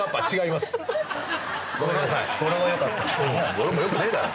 語呂もよくねえだろ。